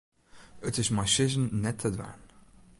It is mei sizzen net te dwaan.